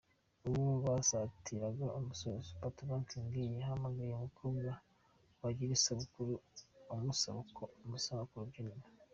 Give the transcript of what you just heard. Ubwo yasatiraga umusozo, Patoranking yahamagaye umukobwa wagize isabukuru amusaba ko amusanga ku rubyiniro.